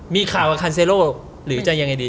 มีข่าวว่าคันเซโลหรือจะยังไงดี